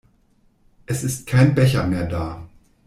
Es ist kein Becher mehr da.